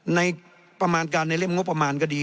ประมาณการในเล่มงบประมาณก็ดี